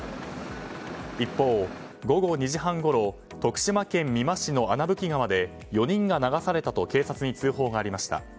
一方、午後２時半ごろ徳島県美馬市の穴吹川で４人が流されたと警察に通報がありました。